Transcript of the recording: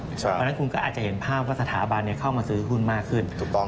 เพราะฉะนั้นคุณก็อาจจะเห็นภาพว่าสถาบันเข้ามาซื้อหุ้นมากขึ้น